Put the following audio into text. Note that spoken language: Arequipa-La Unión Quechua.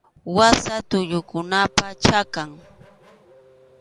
Wasa tullukunapa chakan.